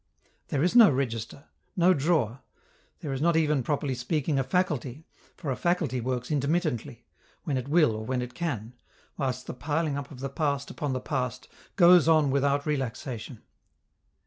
There is no register, no drawer; there is not even, properly speaking, a faculty, for a faculty works intermittently, when it will or when it can, whilst the piling up of the past upon the past goes on without relaxation.